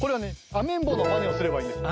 アメンボのまねをすればいいです。